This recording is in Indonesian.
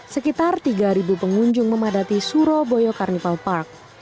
sekitar tiga pengunjung memadati suro boyo carnival park